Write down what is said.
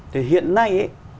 thì hiện nay